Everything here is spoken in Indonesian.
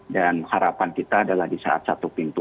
dan harapan kita adalah di saat satu pintu